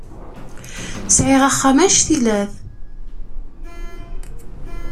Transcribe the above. Sɛiɣ axxam annect-ilat.